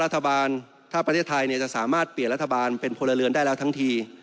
รัฐบาลถ้าประเทศไทยจะสามารถเปลี่ยนรัฐบาลเป็นพลเรือนได้แล้วทั้งที